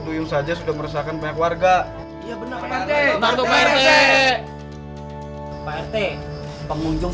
danung saja sudah meresahkan banyak warga ya benar pak rt pak rt pengunjung